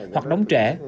hoặc đóng trẻ